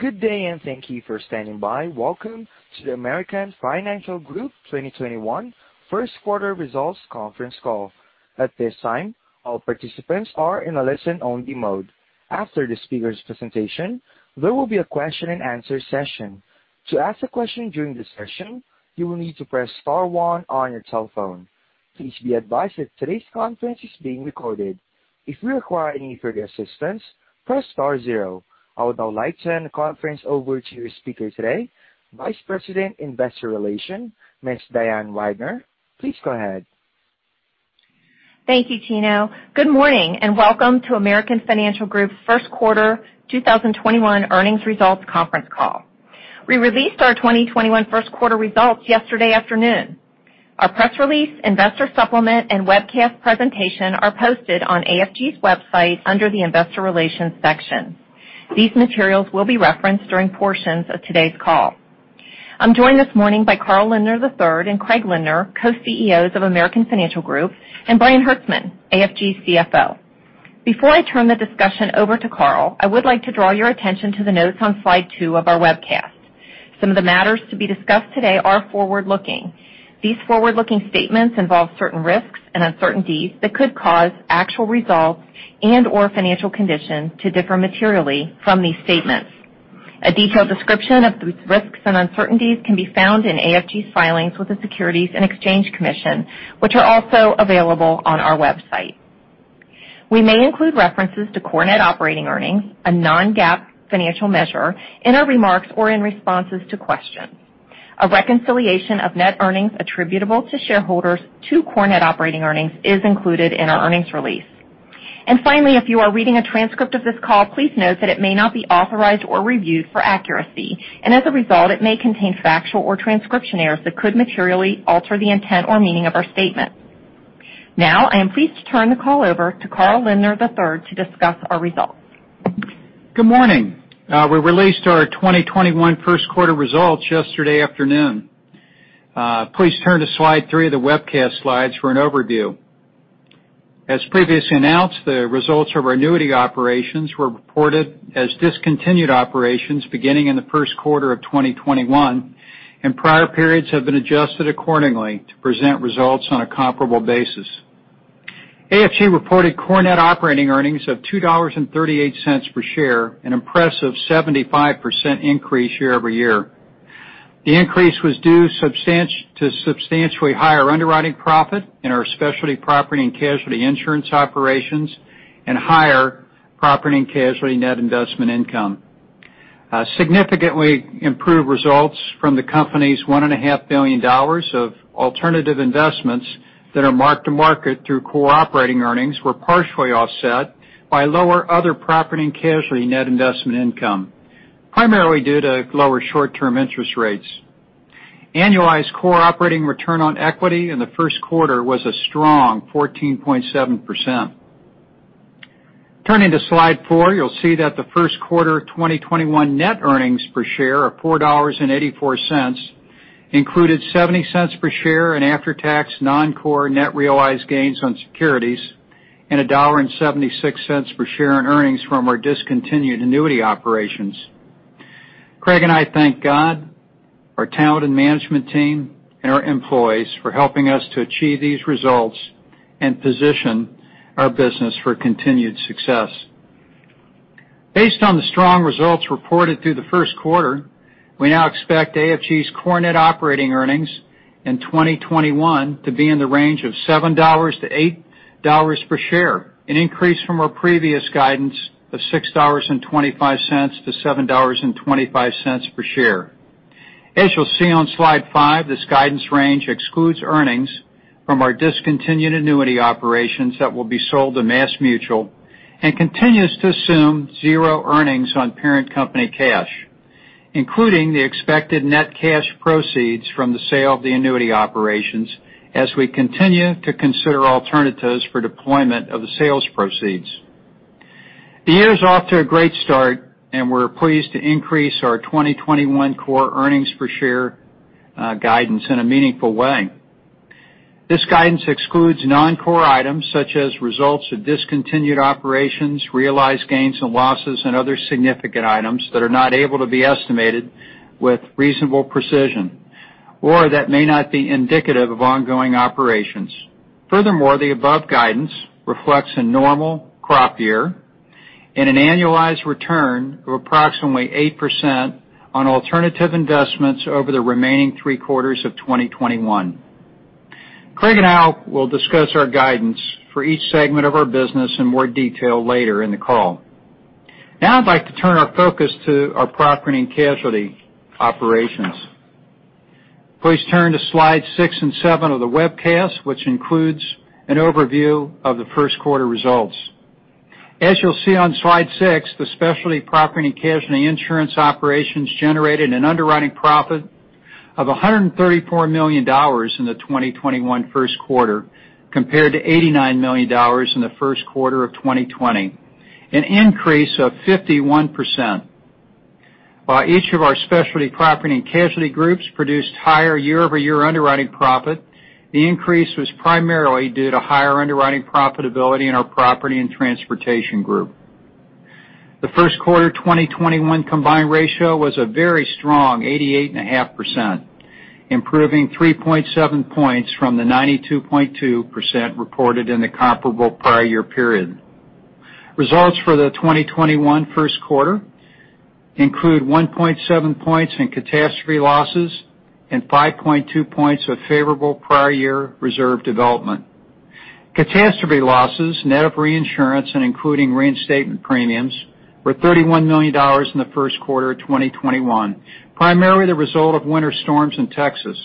Good day. Thank you for standing by. Welcome to the American Financial Group 2021 first quarter results conference call. At this time, all participants are in a listen-only mode. After the speaker's presentation, there will be a question and answer session. To ask a question during the session, you will need to press star one on your telephone. Please be advised that today's conference is being recorded. If you require any further assistance, press star zero. I would now like to turn the conference over to your speaker today, Vice President, Investor Relations, Ms. Diane Weidner. Please go ahead. Thank you, Tino. Good morning. Welcome to American Financial Group first quarter 2021 earnings results conference call. We released our 2021 first quarter results yesterday afternoon. Our press release, investor supplement, and webcast presentation are posted on AFG's website under the Investor Relations section. These materials will be referenced during portions of today's call. I am joined this morning by Carl Lindner III and Craig Lindner, co-CEOs of American Financial Group, and Brian Hertzman, AFG CFO. Before I turn the discussion over to Carl, I would like to draw your attention to the notes on slide two of our webcast. Some of the matters to be discussed today are forward-looking. These forward-looking statements involve certain risks and uncertainties that could cause actual results and/or financial conditions to differ materially from these statements. A detailed description of these risks and uncertainties can be found in AFG's filings with the Securities and Exchange Commission, which are also available on our website. We may include references to core net operating earnings, a non-GAAP financial measure, in our remarks or in responses to questions. A reconciliation of net earnings attributable to shareholders to core net operating earnings is included in our earnings release. Finally, if you are reading a transcript of this call, please note that it may not be authorized or reviewed for accuracy, and as a result, it may contain factual or transcription errors that could materially alter the intent or meaning of our statement. Now, I am pleased to turn the call over to Carl Lindner III to discuss our results. Good morning. We released our 2021 first quarter results yesterday afternoon. Please turn to slide three of the webcast slides for an overview. As previously announced, the results of our annuity operations were reported as discontinued operations beginning in the first quarter of 2021, and prior periods have been adjusted accordingly to present results on a comparable basis. AFG reported core net operating earnings of $2.38 per share, an impressive 75% increase year-over-year. The increase was due to substantially higher underwriting profit in our specialty property and casualty insurance operations and higher property and casualty net investment income. Significantly improved results from the company's $1.5 billion of alternative investments that are marked to market through core operating earnings were partially offset by lower other property and casualty net investment income, primarily due to lower short-term interest rates. Annualized core operating return on equity in the first quarter was a strong 14.7%. Turning to slide four, you'll see that the first quarter 2021 net earnings per share of $4.84 included $0.70 per share in after-tax non-core net realized gains on securities and $1.76 per share in earnings from our discontinued annuity operations. Craig and I thank God, our talented management team, and our employees for helping us to achieve these results and position our business for continued success. Based on the strong results reported through the first quarter, we now expect AFG's core net operating earnings in 2021 to be in the range of $7-$8 per share, an increase from our previous guidance of $6.25-$7.25 per share. As you'll see on slide five, this guidance range excludes earnings from our discontinued annuity operations that will be sold to MassMutual and continues to assume zero earnings on parent company cash, including the expected net cash proceeds from the sale of the annuity operations as we continue to consider alternatives for deployment of the sales proceeds. The year's off to a great start, and we're pleased to increase our 2021 core earnings per share guidance in a meaningful way. This guidance excludes non-core items such as results of discontinued operations, realized gains and losses, and other significant items that are not able to be estimated with reasonable precision or that may not be indicative of ongoing operations. Furthermore, the above guidance reflects a normal crop year and an annualized return of approximately 8% on alternative investments over the remaining three quarters of 2021. Craig and Carl will discuss our guidance for each segment of our business in more detail later in the call. Now I'd like to turn our focus to our property and casualty operations. Please turn to slides six and seven of the webcast, which includes an overview of the first quarter results. As you'll see on slide six, the specialty property and casualty insurance operations generated an underwriting profit of $134 million in the 2021 first quarter compared to $89 million in the first quarter of 2020, an increase of 51%. While each of our specialty property and casualty groups produced higher year-over-year underwriting profit, the increase was primarily due to higher underwriting profitability in our Property and Transportation Group. The first quarter 2021 combined ratio was a very strong 88.5%, improving 3.7 points from the 92.2% reported in the comparable prior year period. Results for the 2021 first quarter include 1.7 points in catastrophe losses and 5.2 points of favorable prior year reserve development. Catastrophe losses, net of reinsurance and including reinstatement premiums, were $31 million in the first quarter of 2021, primarily the result of winter storms in Texas.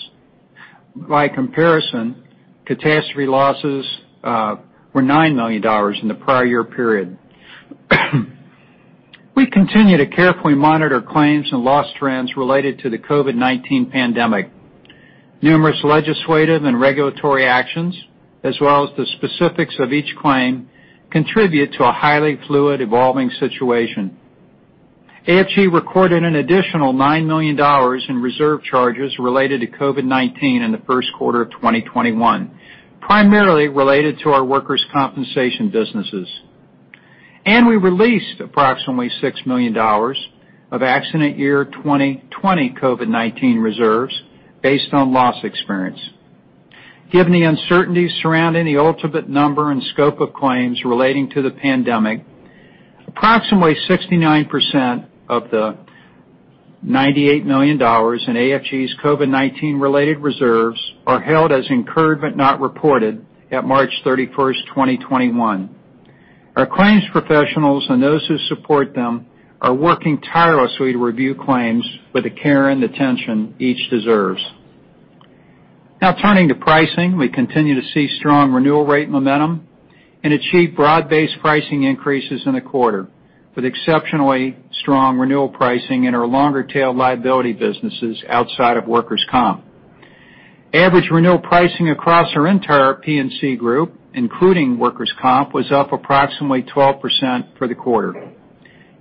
By comparison, catastrophe losses were $9 million in the prior year period. We continue to carefully monitor claims and loss trends related to the COVID-19 pandemic. Numerous legislative and regulatory actions, as well as the specifics of each claim, contribute to a highly fluid evolving situation. AFG recorded an additional $9 million in reserve charges related to COVID-19 in the first quarter of 2021, primarily related to our workers' compensation businesses. We released approximately $6 million of accident year 2020 COVID-19 reserves based on loss experience. Given the uncertainty surrounding the ultimate number and scope of claims relating to the pandemic, approximately 69% of the $98 million in AFG's COVID-19 related reserves are held as incurred but not reported at March 31st, 2021. Our claims professionals and those who support them are working tirelessly to review claims with the care and attention each deserves. Now turning to pricing. We continue to see strong renewal rate momentum and achieve broad-based pricing increases in the quarter, with exceptionally strong renewal pricing in our longer-tail liability businesses outside of workers' comp. Average renewal pricing across our entire P&C group, including workers' comp, was up approximately 12% for the quarter.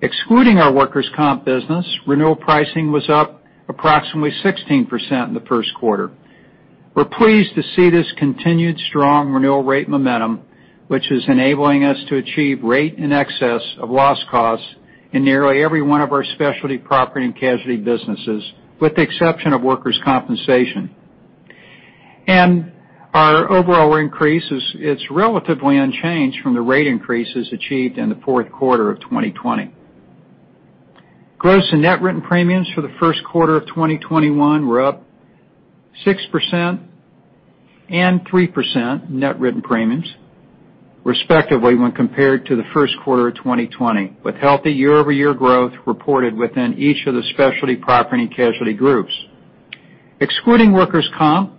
Excluding our workers' comp business, renewal pricing was up approximately 16% in the first quarter. We're pleased to see this continued strong renewal rate momentum, which is enabling us to achieve rate in excess of loss costs in nearly every one of our specialty property and casualty businesses, with the exception of workers' compensation. Our overall increase is relatively unchanged from the rate increases achieved in the fourth quarter of 2020. Gross and net written premiums for the first quarter of 2021 were up 6% and 3% net written premiums, respectively, when compared to the first quarter of 2020, with healthy year-over-year growth reported within each of the specialty property and casualty groups. Excluding workers' comp,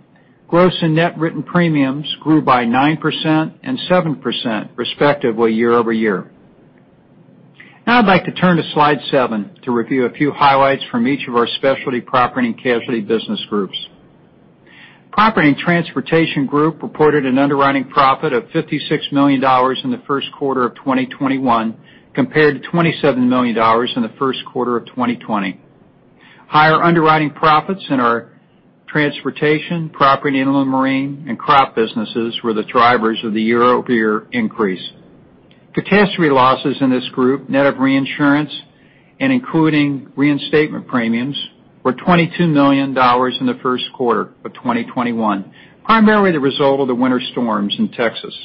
gross and net written premiums grew by 9% and 7%, respectively, year-over-year. Now I'd like to turn to slide seven to review a few highlights from each of our specialty property and casualty business groups. Property and Transportation Group reported an underwriting profit of $56 million in the first quarter of 2021, compared to $27 million in the first quarter of 2020. Higher underwriting profits in our transportation, property and inland marine, and crop businesses were the drivers of the year-over-year increase. Catastrophe losses in this group, net of reinsurance and including reinstatement premiums, were $22 million in the first quarter of 2021, primarily the result of the winter storms in Texas.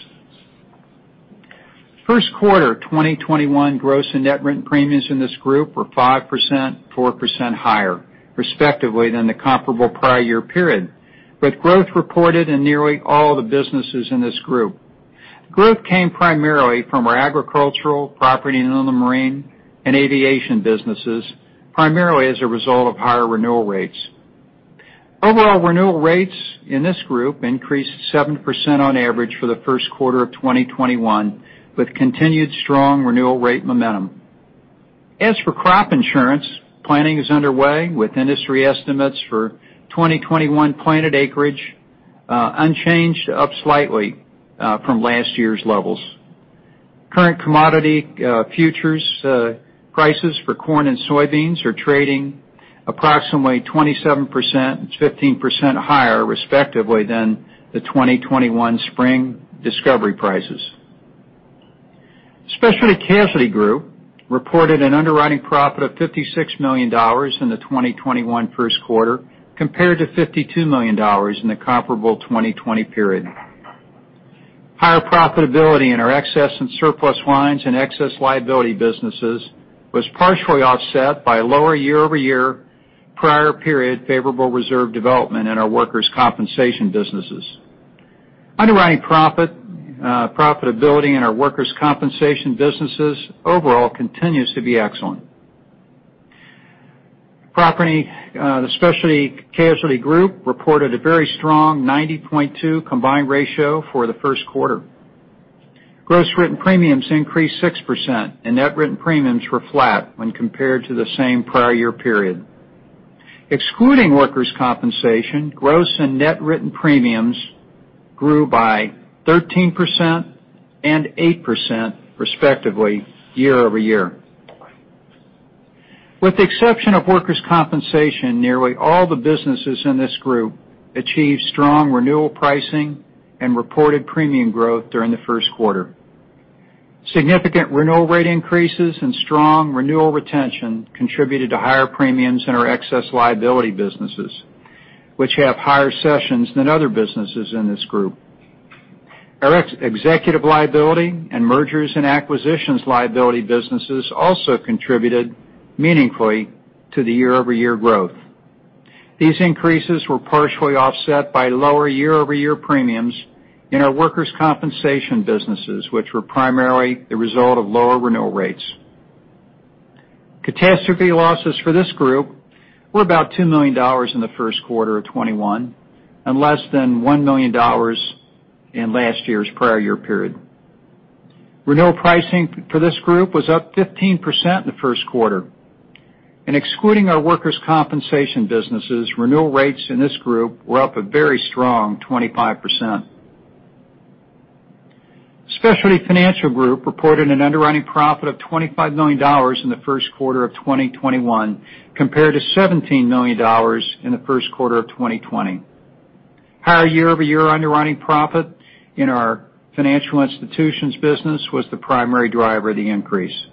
First quarter 2021 gross and net written premiums in this group were 5%, 4% higher, respectively, than the comparable prior year period, with growth reported in nearly all the businesses in this group. Growth came primarily from our agricultural, property and inland marine, and aviation businesses, primarily as a result of higher renewal rates. Overall renewal rates in this group increased 7% on average for the first quarter of 2021, with continued strong renewal rate momentum. As for crop insurance, planning is underway with industry estimates for 2021 planted acreage unchanged up slightly from last year's levels. Current commodity futures prices for corn and soybeans are trading approximately 27% and 15% higher, respectively, than the 2021 spring discovery prices. Specialty Casualty Group reported an underwriting profit of $56 million in the 2021 first quarter, compared to $52 million in the comparable 2020 period. Higher profitability in our excess and surplus lines and excess liability businesses was partially offset by lower year-over-year prior period favorable reserve development in our workers' compensation businesses. Underwriting profitability in our workers' compensation businesses overall continues to be excellent. The Specialty Casualty Group reported a very strong 90.2 combined ratio for the first quarter. Gross written premiums increased 6%, and net written premiums were flat when compared to the same prior year period. Excluding workers' compensation, gross and net written premiums grew by 13% and 8%, respectively, year-over-year. With the exception of workers' compensation, nearly all the businesses in this group achieved strong renewal pricing and reported premium growth during the first quarter. Significant renewal rate increases and strong renewal retention contributed to higher premiums in our excess liability businesses, which have higher sessions than other businesses in this group. Our executive liability and mergers and acquisitions liability businesses also contributed meaningfully to the year-over-year growth. These increases were partially offset by lower year-over-year premiums in our workers' compensation businesses, which were primarily the result of lower renewal rates. Catastrophe losses for this group were about $2 million in the first quarter of 2021, and less than $1 million in last year's prior year period. Renewal pricing for this group was up 15% in the first quarter, and excluding our workers' compensation businesses, renewal rates in this group were up a very strong 25%. Specialty Financial Group reported an underwriting profit of $25 million in the first quarter of 2021, compared to $17 million in the first quarter of 2020. Higher year-over-year underwriting profit in our financial institutions business was the primary driver of the increase.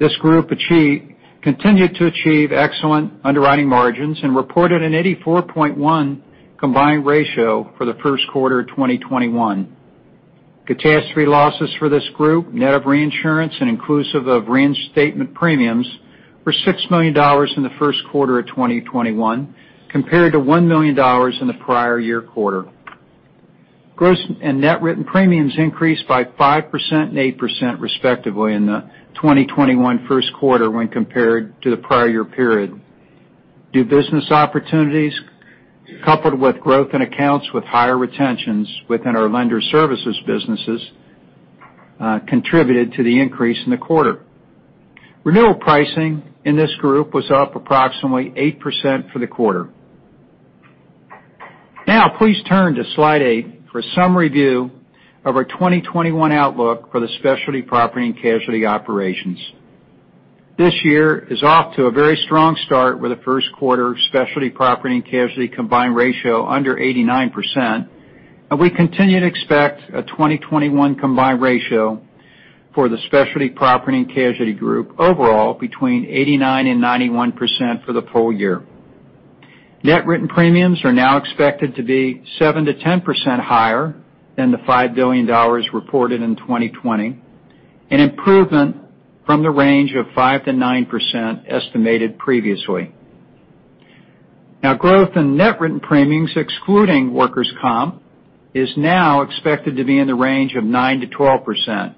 This group continued to achieve excellent underwriting margins and reported an 84.1 combined ratio for the first quarter of 2021. Catastrophe losses for this group, net of reinsurance and inclusive of reinstatement premiums, were $6 million in the first quarter of 2021 compared to $1 million in the prior year quarter. Gross and net written premiums increased by 5% and 8% respectively in the 2021 first quarter when compared to the prior year period. New business opportunities, coupled with growth in accounts with higher retentions within our lender services businesses, contributed to the increase in the quarter. Renewal pricing in this group was up approximately 8% for the quarter. Please turn to slide eight for summary view of our 2021 outlook for the Specialty Property and Casualty operations. This year is off to a very strong start with the first quarter Specialty Property and Casualty combined ratio under 89%, and we continue to expect a 2021 combined ratio for the Specialty Property and Casualty group overall between 89%-91% for the full year. Net written premiums are now expected to be 7%-10% higher than the $5 billion reported in 2020, an improvement from the range of 5%-9% estimated previously. Growth in net written premiums excluding workers' comp is now expected to be in the range of 9%-12%,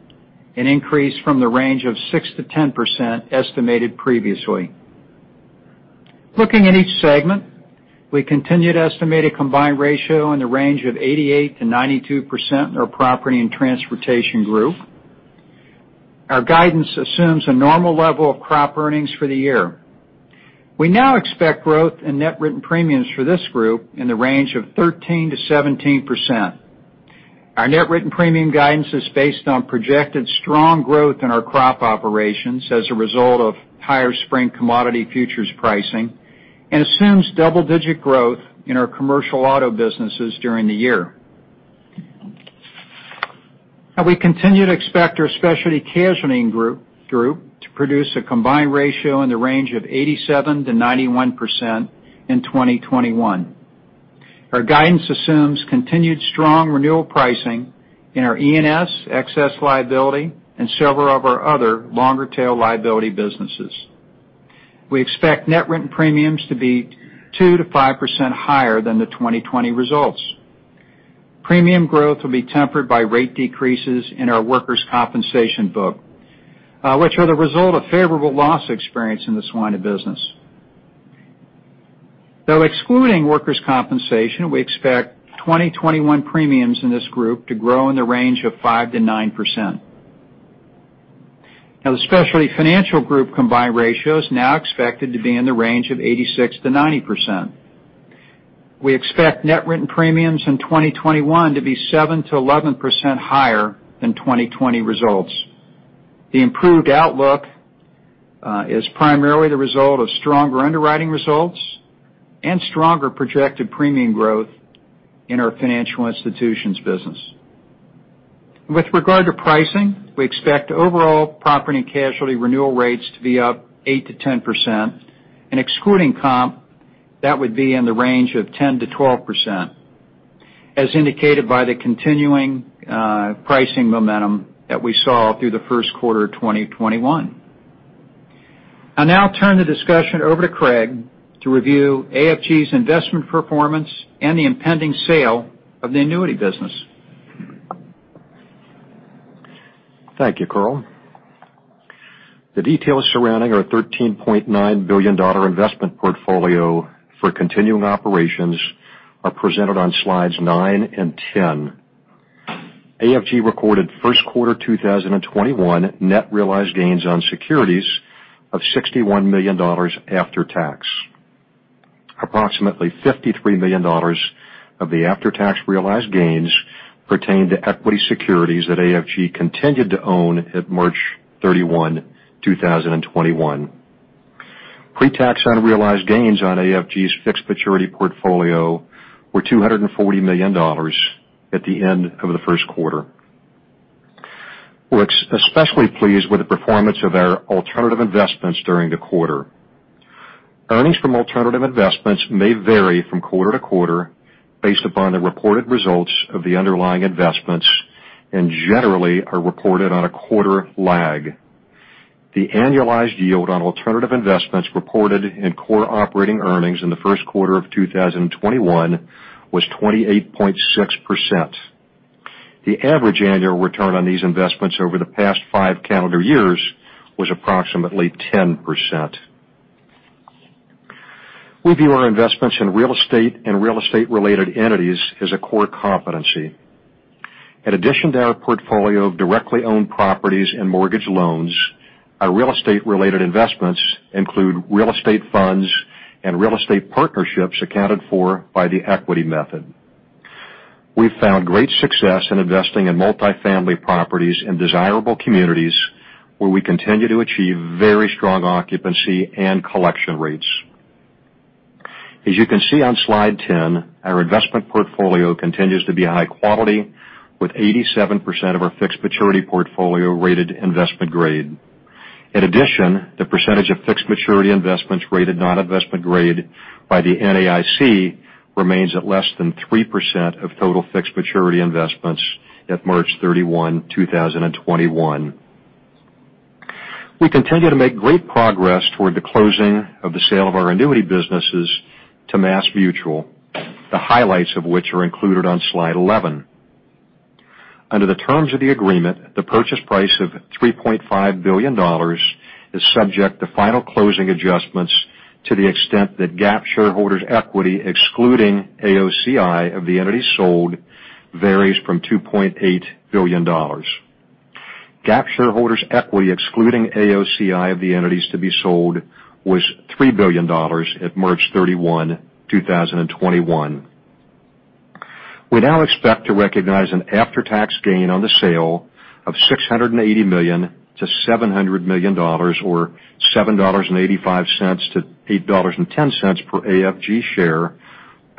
an increase from the range of 6%-10% estimated previously. Looking at each segment, we continue to estimate a combined ratio in the range of 88%-92% in our Property and Transportation Group. Our guidance assumes a normal level of crop earnings for the year. We now expect growth in net written premiums for this group in the range of 13%-17%. Our net written premium guidance is based on projected strong growth in our crop operations as a result of higher spring commodity futures pricing and assumes double-digit growth in our commercial auto businesses during the year. We continue to expect our Specialty Casualty Group to produce a combined ratio in the range of 87%-91% in 2021. Our guidance assumes continued strong renewal pricing in our E&S, excess liability, and several of our other longer-tail liability businesses. We expect net written premiums to be 2%-5% higher than the 2020 results. Premium growth will be tempered by rate decreases in our workers' compensation book, which are the result of favorable loss experience in this line of business. Excluding workers' compensation, we expect 2021 premiums in this group to grow in the range of 5%-9%. The Specialty Financial Group combined ratio is now expected to be in the range of 86%-90%. We expect net written premiums in 2021 to be 7%-11% higher than 2020 results. The improved outlook is primarily the result of stronger underwriting results and stronger projected premium growth in our financial institutions business. With regard to pricing, we expect overall property and casualty renewal rates to be up 8%-10%, and excluding comp, that would be in the range of 10%-12%, as indicated by the continuing pricing momentum that we saw through the first quarter of 2021. I now turn the discussion over to Craig to review AFG's investment performance and the impending sale of the annuity business. Thank you, Carl. The details surrounding our $13.9 billion investment portfolio for continuing operations are presented on slides nine and 10. AFG recorded first quarter 2021 net realized gains on securities of $61 million after tax. Approximately $53 million of the after-tax realized gains pertain to equity securities that AFG continued to own at March 31, 2021. Pre-tax unrealized gains on AFG's fixed maturity portfolio were $240 million at the end of the first quarter. We're especially pleased with the performance of our alternative investments during the quarter. Earnings from alternative investments may vary from quarter to quarter based upon the reported results of the underlying investments and generally are reported on a quarter lag. The annualized yield on alternative investments reported in core operating earnings in the first quarter of 2021 was 28.6%. The average annual return on these investments over the past five calendar years was approximately 10%. We view our investments in real estate and real estate-related entities as a core competency. In addition to our portfolio of directly owned properties and mortgage loans, our real estate-related investments include real estate funds and real estate partnerships accounted for by the equity method. We've found great success in investing in multi-family properties in desirable communities where we continue to achieve very strong occupancy and collection rates. As you can see on slide 10, our investment portfolio continues to be high quality, with 87% of our fixed maturity portfolio rated investment grade. In addition, the percentage of fixed maturity investments rated non-investment grade by the NAIC remains at less than 3% of total fixed maturity investments at March 31, 2021. We continue to make great progress toward the closing of the sale of our annuity businesses to MassMutual, the highlights of which are included on slide 11. Under the terms of the agreement, the purchase price of $3.5 billion is subject to final closing adjustments to the extent that GAAP shareholders' equity, excluding AOCI of the entities sold, varies from $2.8 billion. GAAP shareholders' equity, excluding AOCI of the entities to be sold, was $3 billion at March 31, 2021. We now expect to recognize an after-tax gain on the sale of $680 million-$700 million, or $7.85-$8.10 per AFG share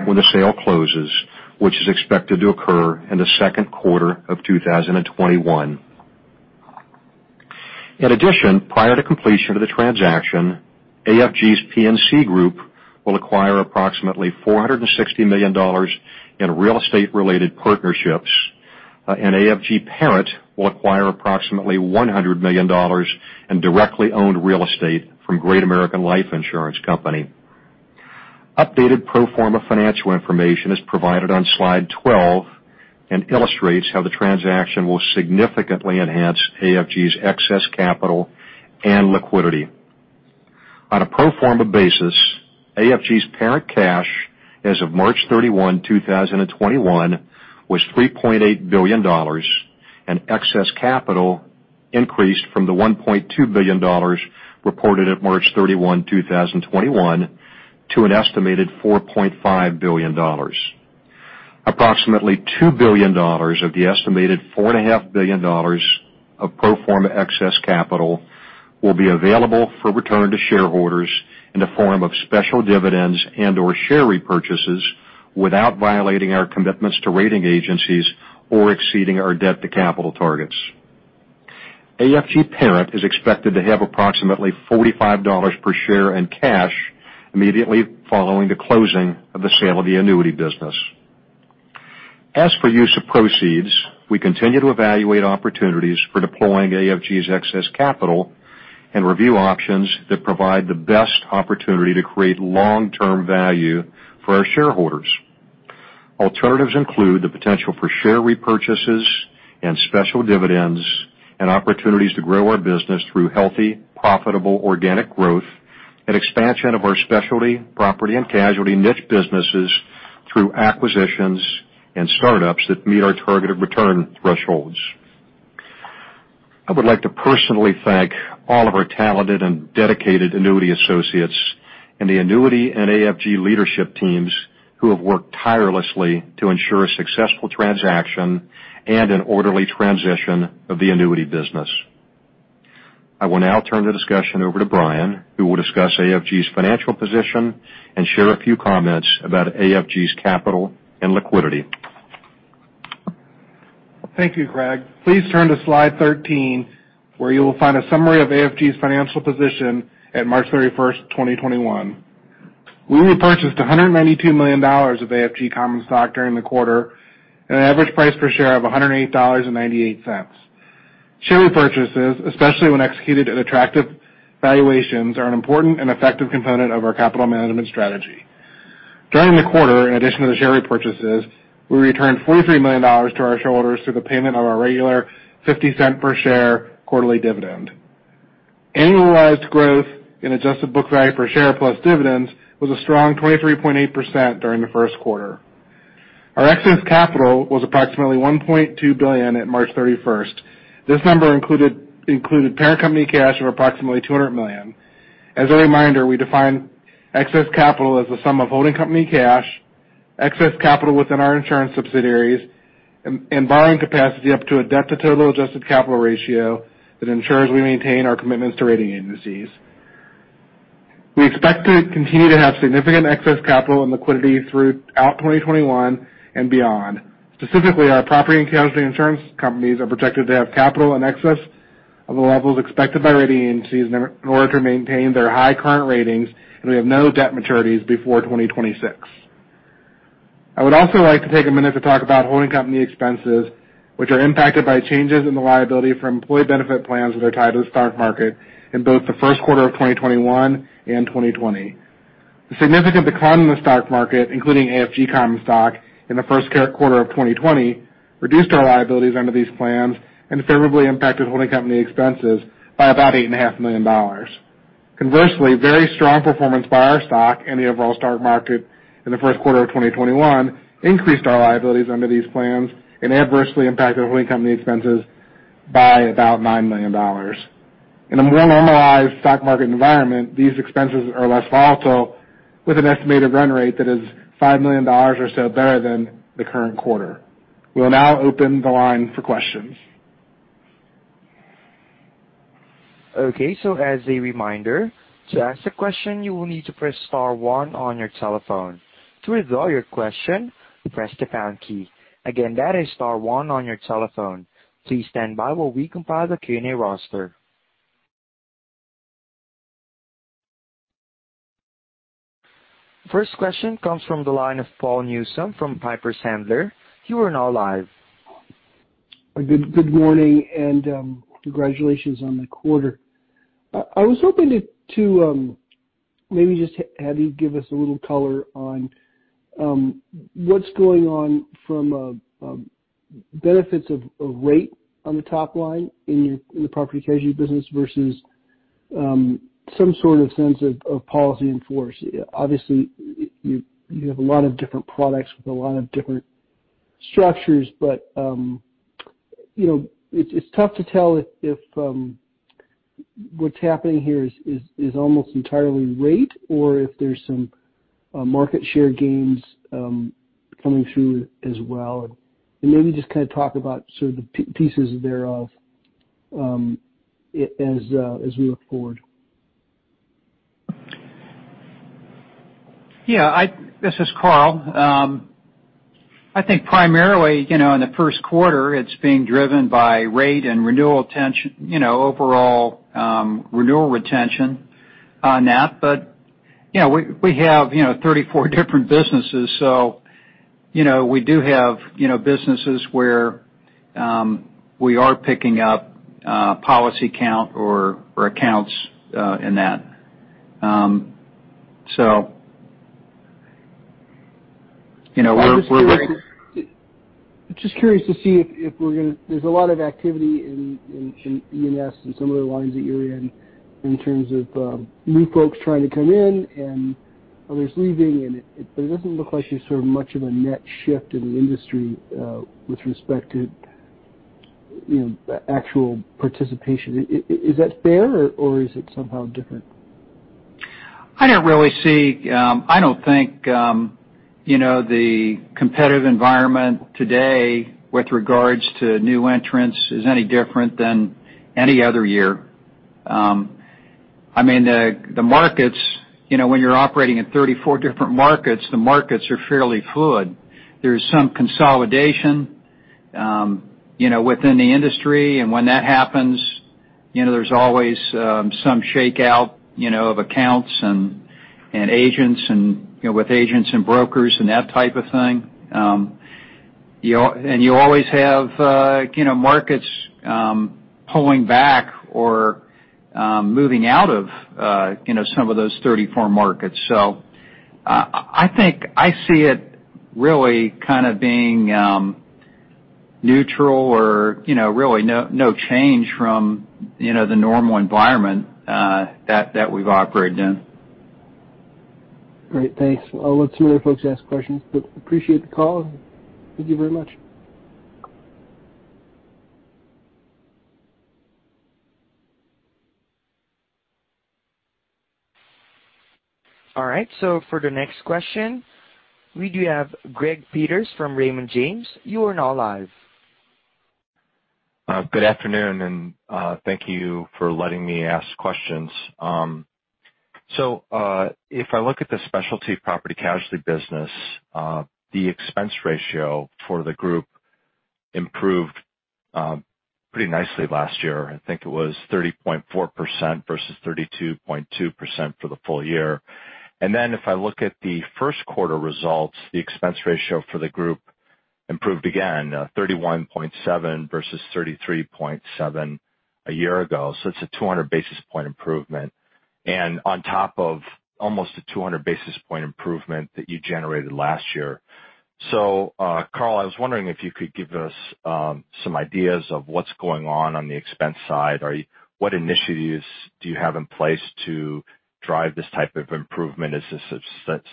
when the sale closes, which is expected to occur in the second quarter of 2021. In addition, prior to completion of the transaction, AFG's P&C group will acquire approximately $460 million in real estate-related partnerships, and AFG Parent will acquire approximately $100 million in directly owned real estate from Great American Life Insurance Company. Updated pro forma financial information is provided on slide 12 and illustrates how the transaction will significantly enhance AFG's excess capital and liquidity. On a pro forma basis, AFG's parent cash as of March 31, 2021, was $3.8 billion, and excess capital increased from the $1.2 billion reported at March 31, 2021, to an estimated $4.5 billion. Approximately $2 billion of the estimated $4.5 billion of pro forma excess capital will be available for return to shareholders in the form of special dividends and/or share repurchases without violating our commitments to rating agencies or exceeding our debt to capital targets. AFG Parent is expected to have approximately $45 per share in cash immediately following the closing of the sale of the annuity business. As for use of proceeds, we continue to evaluate opportunities for deploying AFG's excess capital and review options that provide the best opportunity to create long-term value for our shareholders. Alternatives include the potential for share repurchases and special dividends and opportunities to grow our business through healthy, profitable, organic growth and expansion of our specialty property and casualty niche businesses through acquisitions and startups that meet our targeted return thresholds. I would like to personally thank all of our talented and dedicated annuity associates and the annuity and AFG leadership teams who have worked tirelessly to ensure a successful transaction and an orderly transition of the annuity business. I will now turn the discussion over to Brian, who will discuss AFG's financial position and share a few comments about AFG's capital and liquidity. Thank you, Craig. Please turn to slide 13, where you will find a summary of AFG's financial position at March 31, 2021. We repurchased $192 million of AFG common stock during the quarter at an average price per share of $108.98. Share repurchases, especially when executed at attractive valuations, are an important and effective component of our capital management strategy. During the quarter, in addition to the share repurchases, we returned $43 million to our shareholders through the payment of our regular $0.50 per share quarterly dividend. Annualized growth in adjusted book value per share plus dividends was a strong 23.8% during the first quarter. Our excess capital was approximately $1.2 billion at March 31. This number included parent company cash of approximately $200 million. As a reminder, we define excess capital as the sum of holding company cash, excess capital within our insurance subsidiaries, and borrowing capacity up to a debt to total adjusted capital ratio that ensures we maintain our commitments to rating agencies. We expect to continue to have significant excess capital and liquidity throughout 2021 and beyond. Specifically, our property and casualty insurance companies are projected to have capital in excess of the levels expected by rating agencies in order to maintain their high current ratings, and we have no debt maturities before 2026. I would also like to take a minute to talk about holding company expenses, which are impacted by changes in the liability for employee benefit plans that are tied to the stock market in both the first quarter of 2021 and 2020. The significant decline in the stock market, including AFG common stock in the first quarter of 2020, reduced our liabilities under these plans and favorably impacted holding company expenses by about $8.5 million. Conversely, very strong performance by our stock and the overall stock market in the first quarter of 2021 increased our liabilities under these plans and adversely impacted holding company expenses by about $9 million. In a more normalized stock market environment, these expenses are less volatile, with an estimated run rate that is $5 million or so better than the current quarter. We will now open the line for questions. As a reminder, to ask a question, you will need to press star one on your telephone. To withdraw your question, press the pound key. Again, that is star one on your telephone. Please stand by while we compile the Q&A roster. First question comes from the line of Paul Newsome from Piper Sandler. You are now live. Good morning and congratulations on the quarter. I was hoping to maybe just have you give us a little color on what's going on from a benefits of rate on the top line in the property and casualty business versus some sort of sense of policy in force. Obviously, you have a lot of different products with a lot of different structures, but it's tough to tell if what's happening here is almost entirely rate or if there's some market share gains coming through as well. Maybe just kind of talk about sort of the pieces thereof as we look forward. Yeah. This is Carl. I think primarily, in the first quarter, it's being driven by rate and overall renewal retention on that. We have 34 different businesses. We do have businesses where we are picking up policy count or accounts in that. Just curious to see if there's a lot of activity in E&S and some of the lines that you're in terms of new folks trying to come in and others leaving, but it doesn't look like there's sort of much of a net shift in the industry with respect to actual participation. Is that fair, or is it somehow different? I don't think the competitive environment today with regards to new entrants is any different than any other year. The markets, when you're operating in 34 different markets, the markets are fairly fluid. There's some consolidation within the industry, and when that happens, there's always some shakeout of accounts and with agents and brokers and that type of thing. You always have markets pulling back or moving out of some of those 34 markets. I think I see it really kind of being neutral or really no change from the normal environment that we've operated in. Great. Thanks. I'll let some other folks ask questions, but appreciate the call. Thank you very much. All right. For the next question, we do have Greg Peters from Raymond James. You are now live. Good afternoon, and thank you for letting me ask questions. If I look at the specialty property casualty business, the expense ratio for the group improved pretty nicely last year. I think it was 30.4% versus 32.2% for the full year. If I look at the first quarter results, the expense ratio for the group improved again, 31.7% versus 33.7% a year ago. It's a 200 basis point improvement. On top of almost a 200 basis point improvement that you generated last year. Carl, I was wondering if you could give us some ideas of what's going on on the expense side. What initiatives do you have in place to drive this type of improvement? Is this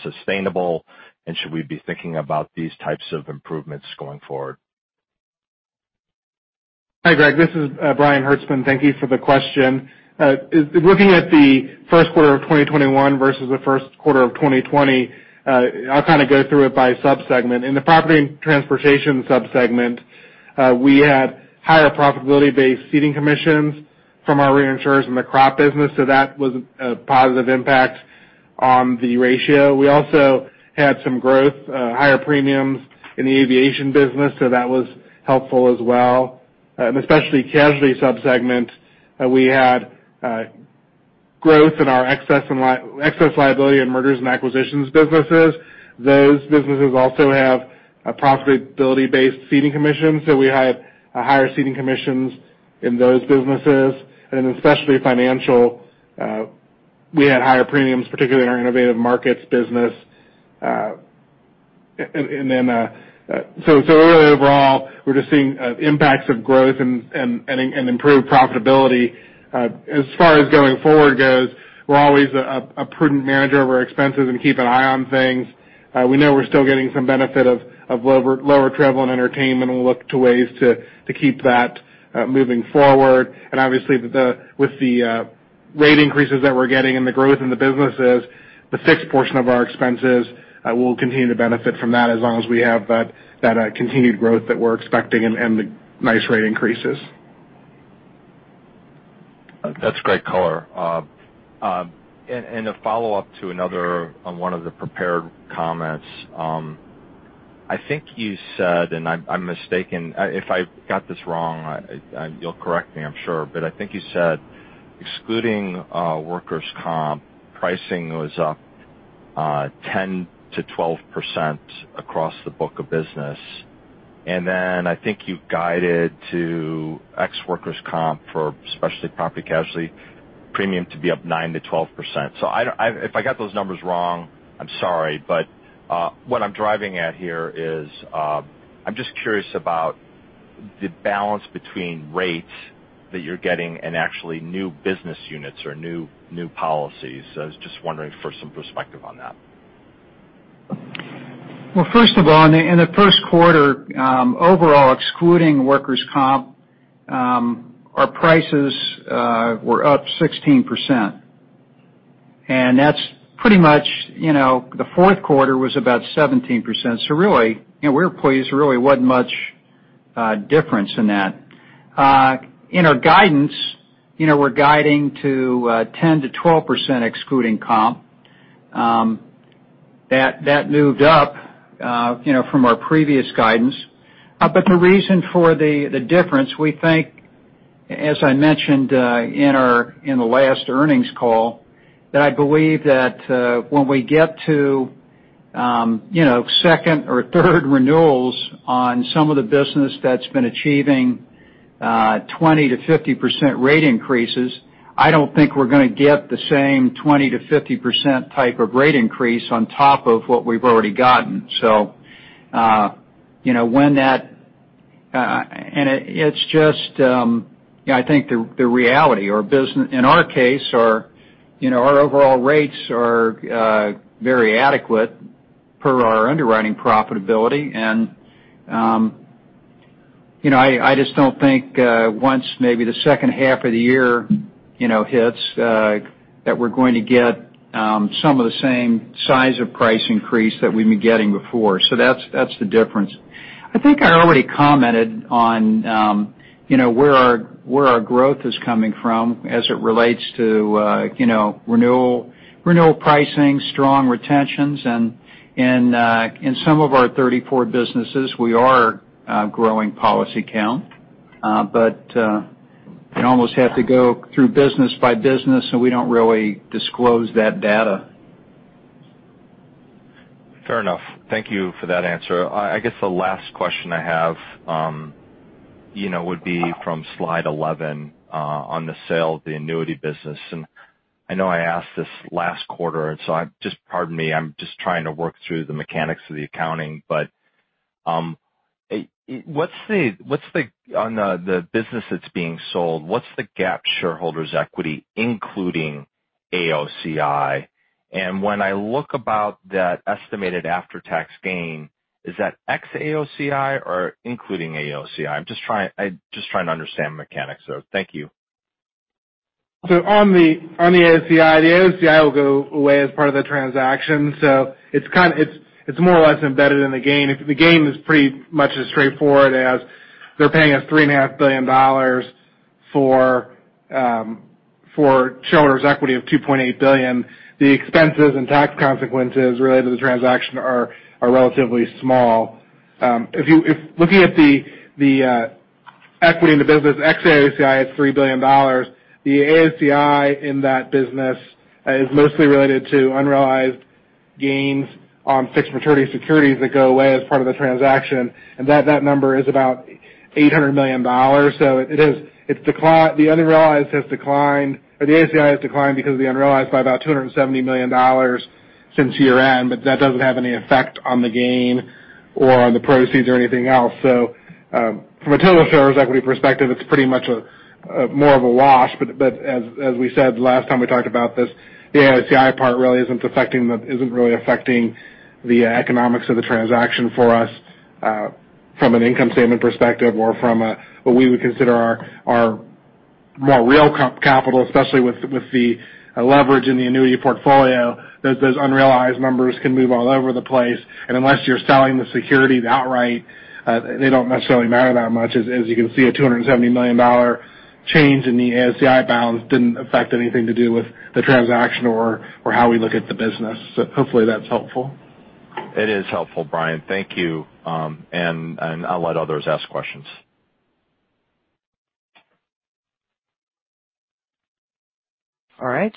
sustainable, and should we be thinking about these types of improvements going forward? Hi, Greg, this is Brian Hertzman. Thank you for the question. Looking at the first quarter of 2021 versus the first quarter of 2020, I'll go through it by sub-segment. In the Property and Transportation sub-segment, we had higher profitability-based ceding commissions from our reinsurers in the crop business, that was a positive impact on the ratio. We also had some growth, higher premiums in the aviation business, that was helpful as well. In the Specialty Casualty sub-segment, we had growth in our excess liability in mergers and acquisitions businesses. Those businesses also have a profitability-based ceding commission, we had higher ceding commissions in those businesses. In the Specialty Financial, we had higher premiums, particularly in our Innovative Markets business. Really overall, we're just seeing impacts of growth and improved profitability. As far as going forward goes, we're always a prudent manager of our expenses and keep an eye on things. We know we're still getting some benefit of lower travel and entertainment, we'll look to ways to keep that moving forward. Obviously with the rate increases that we're getting and the growth in the businesses, the fixed portion of our expenses will continue to benefit from that as long as we have that continued growth that we're expecting and the nice rate increases. That's great color. A follow-up to another on one of the prepared comments. I think you said, and if I got this wrong, you'll correct me, I'm sure, but I think you said excluding workers' comp, pricing was up 10%-12% across the book of business. Then I think you guided to ex workers' comp for specialty property casualty premium to be up 9%-12%. If I got those numbers wrong, I'm sorry, but what I'm driving at here is, I'm just curious about the balance between rates that you're getting and actually new business units or new policies. I was just wondering for some perspective on that. Well, first of all, in the first quarter, overall, excluding workers' comp, our prices were up 16%. That's pretty much. The fourth quarter was about 17%. Really, we're pleased there really wasn't much difference in that. In our guidance, we're guiding to 10%-12%, excluding comp. That moved up from our previous guidance. The reason for the difference, we think, as I mentioned in the last earnings call, that I believe that when we get to second or third renewals on some of the business that's been achieving 20%-50% rate increases, I don't think we're going to get the same 20%-50% type of rate increase on top of what we've already gotten. It's just I think the reality. In our case, our overall rates are very adequate per our underwriting profitability. I just don't think once maybe the second half of the year hits, that we're going to get some of the same size of price increase that we've been getting before. That's the difference. I think I already commented on where our growth is coming from as it relates to renewal pricing, strong retentions, and in some of our 34 businesses, we are growing policy count. You'd almost have to go through business by business, and we don't really disclose that data. Fair enough. Thank you for that answer. I guess the last question I have would be from slide 11 on the sale of the annuity business. I know I asked this last quarter, just pardon me, I'm just trying to work through the mechanics of the accounting. On the business that's being sold, what's the GAAP shareholders' equity, including AOCI? When I look about that estimated after-tax gain, is that ex-AOCI or including AOCI? I'm just trying to understand the mechanics. Thank you. On the AOCI, the AOCI will go away as part of the transaction. It's more or less embedded in the gain. The gain is pretty much as straightforward as they're paying us $3.5 billion for shareholders' equity of $2.8 billion. The expenses and tax consequences related to the transaction are relatively small. Looking at the equity in the business, ex-AOCI is $3 billion. The AOCI in that business is mostly related to unrealized gains on fixed maturity securities that go away as part of the transaction, and that number is about $800 million. The AOCI has declined because of the unrealized by about $270 million since year-end, but that doesn't have any effect on the gain or on the proceeds or anything else. From a total shareholders' equity perspective, it's pretty much a More of a loss. As we said last time we talked about this, the AOCI part isn't really affecting the economics of the transaction for us from an income statement perspective or from what we would consider our more real capital, especially with the leverage in the annuity portfolio, those unrealized numbers can move all over the place. Unless you're selling the securities outright, they don't necessarily matter that much. As you can see, a $270 million change in the AOCI balance didn't affect anything to do with the transaction or how we look at the business. Hopefully that's helpful. It is helpful, Brian. Thank you. I'll let others ask questions.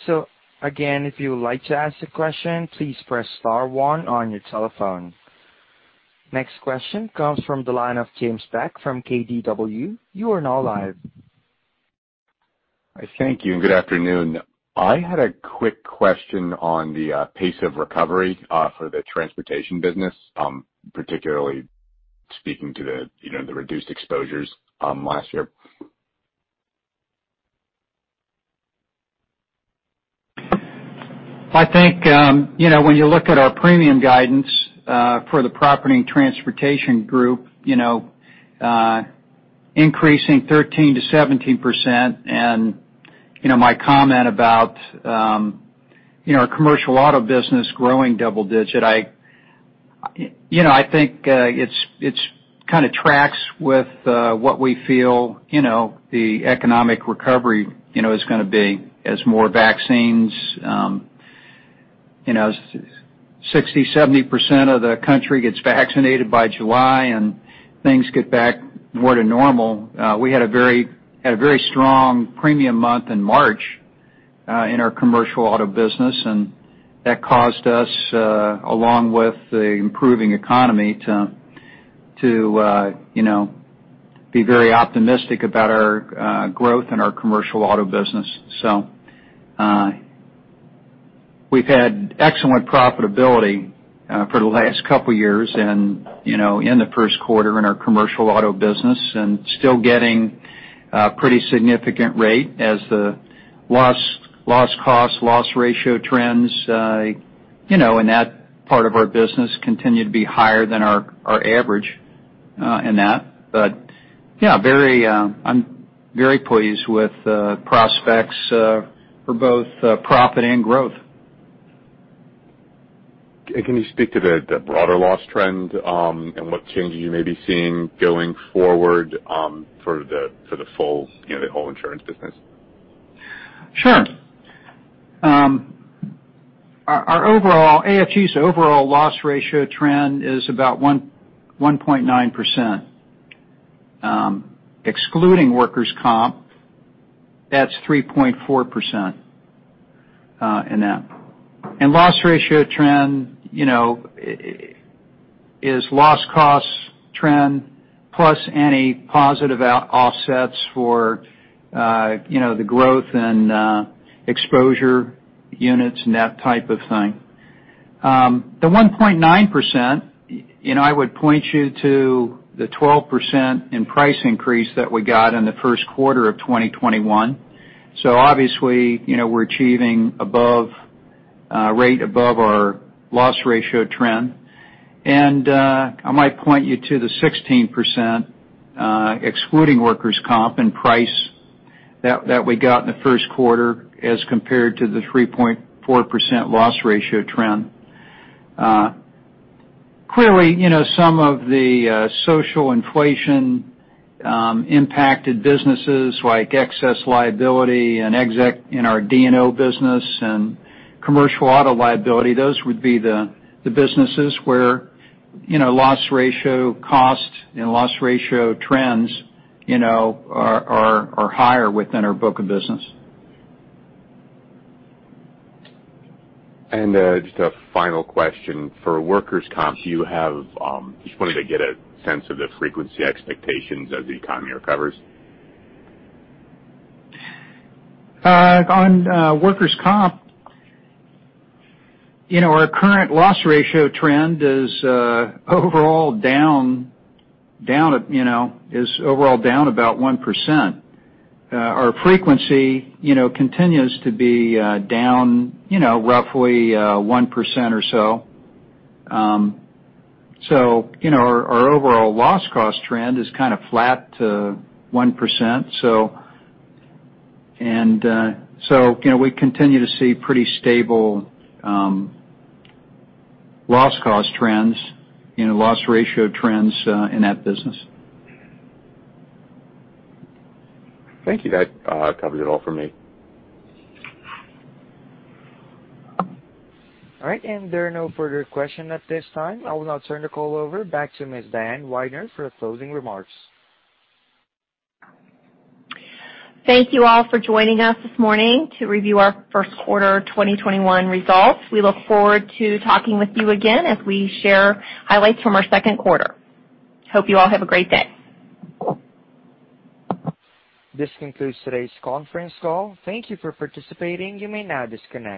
All right. Again, if you would like to ask a question, please press star one on your telephone. Next question comes from the line of James Peck from KBW. You are now live. Thank you, and good afternoon. I had a quick question on the pace of recovery for the transportation business, particularly speaking to the reduced exposures last year. I think when you look at our premium guidance for the Property and Transportation Group increasing 13%-17%, and my comment about our commercial auto business growing double digit, I think it kind of tracks with what we feel the economic recovery is going to be as more vaccines, 60%-70% of the country gets vaccinated by July and things get back more to normal. That caused us, along with the improving economy, to be very optimistic about our growth in our commercial auto business. We've had excellent profitability for the last couple of years and in the first quarter in our commercial auto business, and still getting a pretty significant rate as the loss costs, loss ratio trends in that part of our business continue to be higher than our average in that. Yeah, I'm very pleased with the prospects for both profit and growth. Can you speak to the broader loss trend, and what changes you may be seeing going forward for the whole insurance business? Sure. AFG's overall loss ratio trend is about 1.9%. Excluding workers' comp, that's 3.4% in that. Loss ratio trend is loss costs trend plus any positive offsets for the growth in exposure units and that type of thing. The 1.9%, I would point you to the 12% in price increase that we got in the first quarter of 2021. Obviously we're achieving a rate above our loss ratio trend. I might point you to the 16%, excluding workers' comp in price that we got in the first quarter as compared to the 3.4% loss ratio trend. Clearly, some of the social inflation impacted businesses like excess liability and exec in our D&O business and commercial auto liability. Those would be the businesses where loss ratio cost and loss ratio trends are higher within our book of business. Just a final question. For workers' comp, just wanted to get a sense of the frequency expectations as the economy recovers. On workers' comp, our current loss ratio trend is overall down about 1%. Our frequency continues to be down roughly 1% or so. Our overall loss cost trend is kind of flat to 1%. We continue to see pretty stable loss cost trends, loss ratio trends in that business. Thank you. That covers it all for me. All right, there are no further questions at this time. I will now turn the call over back to Ms. Diane Weidner for the closing remarks. Thank you all for joining us this morning to review our first quarter 2021 results. We look forward to talking with you again as we share highlights from our second quarter. Hope you all have a great day. This concludes today's conference call. Thank you for participating. You may now disconnect.